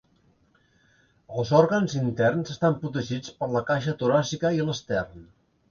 Els òrgans interns estan protegits per la caixa toràcica i l'estern.